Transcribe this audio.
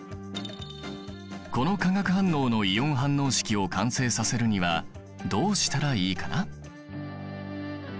この化学反応のイオン反応式を完成させるにはどうしたらいいかな？